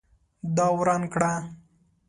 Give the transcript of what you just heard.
دا وران کړه